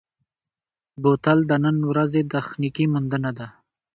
بوتل د نن ورځې تخنیکي موندنه ده.